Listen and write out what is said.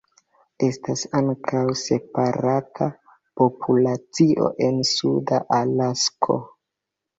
Estas ankaŭ separata populacio en Suda Alasko.